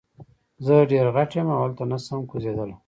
زه ډیر غټ یم او هلته نشم کوزیدلی.